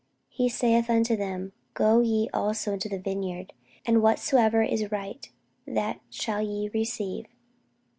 He saith unto them, Go ye also into the vineyard; and whatsoever is right, that shall ye receive.